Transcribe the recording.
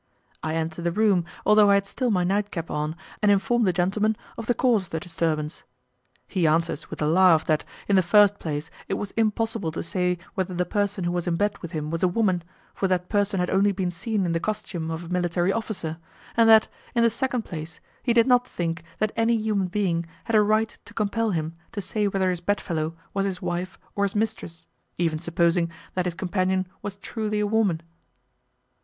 I enter the room, although I had still my nightcap on, and inform the gentleman of the cause of the disturbance. He answers with a laugh that, in the first place, it was impossible to say whether the person who was in bed with him was a woman, for that person had only been seen in the costume of a military officer, and that, in the second place, he did not think that any human being had a right to compel him to say whether his bed fellow was his wife or his mistress, even supposing that his companion was truly a woman.